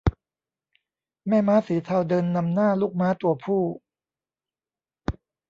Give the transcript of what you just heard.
แม่ม้าสีเทาเดินนำหน้าลูกม้าตัวผู้